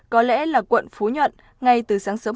có lẽ là quận phú nhuận ngay từ sáng sớm